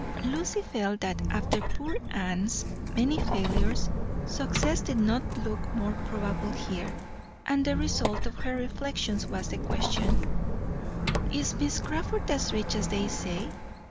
Lucy felt that after poor Anne's many failures, success did not look more probable here; and the result of her reflections was the question: "Is Miss Crawford as rich as they say?"